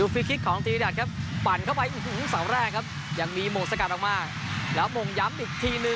สักครู่นี้อาธิสักรายสร